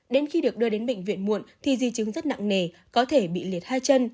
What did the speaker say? đến khi được đưa đến bệnh viện muộn thì di chứng rất nặng nề có thể bị liệt hai chân